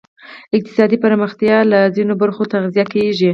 اقتصادي پراختیا له ځینو برخو تغذیه کېږی.